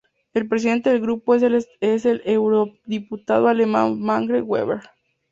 El presidente del grupo es el eurodiputado alemán Manfred Weber.